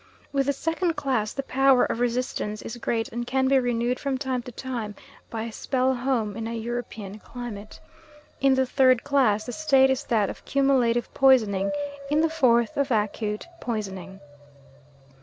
With the second class the power of resistance is great, and can be renewed from time to time by a spell home in a European climate. In the third class the state is that of cumulative poisoning; in the fourth of acute poisoning.